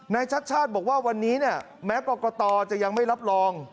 ชัดชาติบอกว่าวันนี้เนี่ยแม้กรกตจะยังไม่รับรอง